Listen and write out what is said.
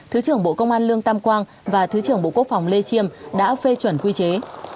thứ trưởng bộ công an lương tam quang và thứ trưởng bộ quốc phòng lê chiêm đã phê chuẩn quy chế